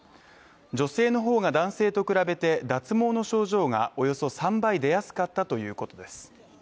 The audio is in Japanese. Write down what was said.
女性の方が男性と比べて脱毛の症状がおよそ３倍出やすかったということです。